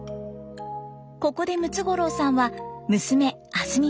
ここでムツゴロウさんは娘明日美さんに